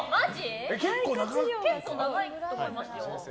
結構長いと思いますよ。